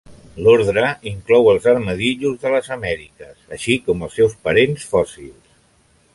L'ordre inclou els armadillos de les Amèriques, així com els seus parents fòssils.